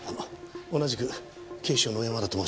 同じく警視庁の小山田と申します。